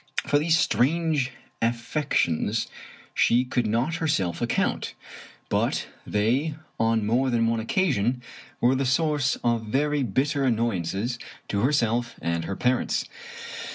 For these strange affections she could not herself account, and they on more than one occasion were the source of very bitter annoyances to herself and her parents.